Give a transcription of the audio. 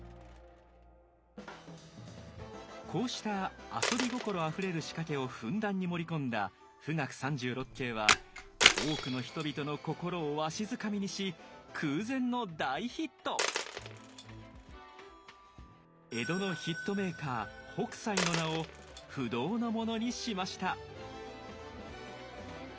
こうした遊び心あふれる仕掛けをふんだんに盛り込んだ「冨嶽三十六景」は多くの人々の心をわしづかみにし江戸のヒットメーカー北斎の名を不動のものにしました。